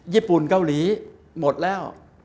ญี่ปุ่นเกาหลีหมดแล้ว